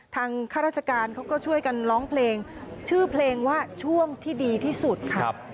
ข้าราชการเขาก็ช่วยกันร้องเพลงชื่อเพลงว่าช่วงที่ดีที่สุดค่ะ